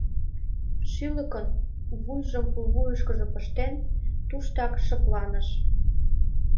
Шӱлыкын вуйжым пулвуйышкыжо пыштен, туштак шыпланыш.